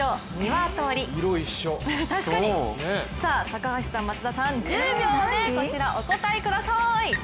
高橋さん、松田さん１０秒でお答えください。